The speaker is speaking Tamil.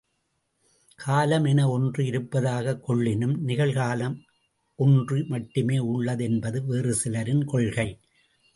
காலம் என ஒன்று இருப்பதாகக் கொள்ளினும் நிகழ் காலம் ஒன்று மட்டுமே உள்ளது என்பது வேறு சிலரின் கொள்கை!